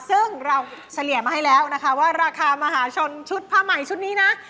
ซึ่งเราเฉลี่ยมาให้แล้วนะคะว่าราคามหาชนชุดผ้าใหม่ชุดนี้นะ